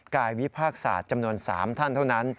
กายวิภาคศาสตร์จำนวน๓ท่านเท่านั้น